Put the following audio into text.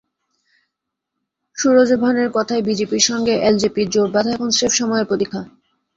সুরজভানের কথায়, বিজেপির সঙ্গে এলজেপির জোট বাধা এখন স্রেফ সময়ের প্রতীক্ষা।